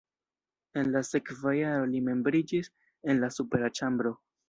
En la sekva jaro li membriĝis en la supera ĉambro.